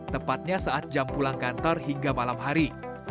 tepatnya saat jam pulang kantor hingga malam hari